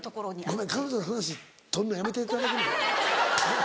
ごめん彼女の話取るのやめていただけない？